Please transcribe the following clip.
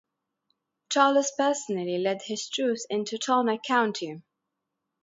Charles personally led his troops into Tolna County.